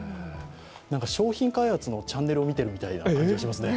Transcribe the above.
商品開発のチャンネルを見てる感じがしますね。